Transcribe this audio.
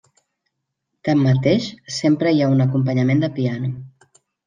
Tanmateix, sempre hi ha un acompanyament de piano.